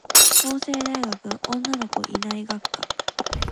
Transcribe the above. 法政大学女の子いない学科